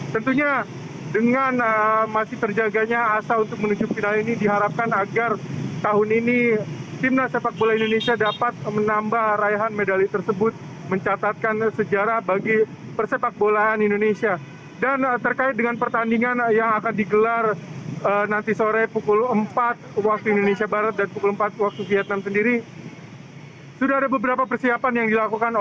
tentunya dengan masih terjaganya asa untuk menuju final ini diharapkan agar tahun ini timnas sepak bola indonesia dapat menambah raya